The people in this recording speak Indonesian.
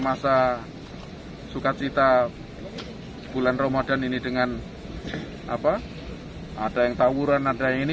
masa sukacita bulan ramadan ini dengan ada yang tawuran ada yang ini